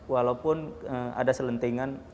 walaupun ada selentingan